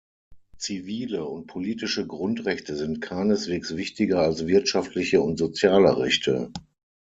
Zivile und politische Grundrechte sind keineswegs wichtiger als wirtschaftliche und soziale Rechte.